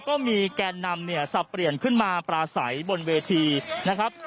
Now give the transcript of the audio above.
ก็มีแกนนำเนี่ยสับเปลี่ยนขึ้นมาปลาใสบนเวทีนะครับ